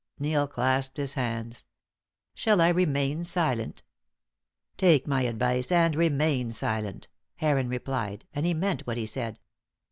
Neil clasped his hands. "Shall I remain silent?" "Take my advice, and remain silent," Heron replied, and he meant what he said.